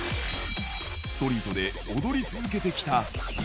ストリートで踊り続けてきた。